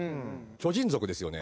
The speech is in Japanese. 巨人族ですよね。